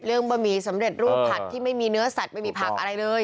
บะหมี่สำเร็จรูปผัดที่ไม่มีเนื้อสัตว์ไม่มีผักอะไรเลย